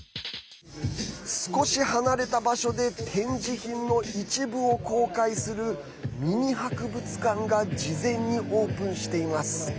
少し離れた場所で展示品の一部を公開するミニ博物館が事前にオープンしています。